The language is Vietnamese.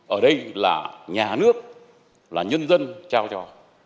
ở đây là nhà nước là nhân dân trao cho